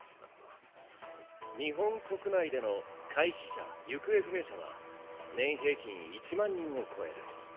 日本国内での怪死者行方不明者は年平均１万人を超える。